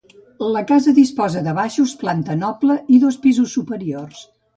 La casa disposa de baixos, planta noble i dos pisos superiors.